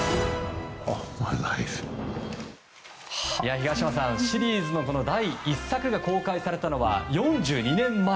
東山さんシリーズの第１作が公開されたのは４２年前。